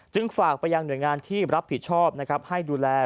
จึงฝากไปยังเหนื่อยงานที่รับผิดชอบให้ดูแล